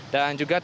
dan juga tadi